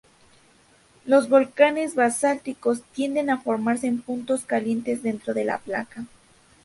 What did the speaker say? Los volcanes basálticos tienden a formarse en puntos calientes dentro de la placa.